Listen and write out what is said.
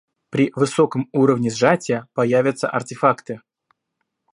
При высоком уровне сжатия появятся артефакты